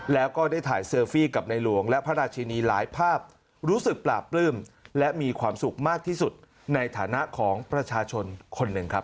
แล้วก็ได้ถ่ายเซลฟี่กับในหลวงและพระราชินีหลายภาพรู้สึกปราบปลื้มและมีความสุขมากที่สุดในฐานะของประชาชนคนหนึ่งครับ